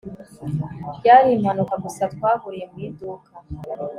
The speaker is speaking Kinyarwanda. Byari impanuka gusa twahuriye mu iduka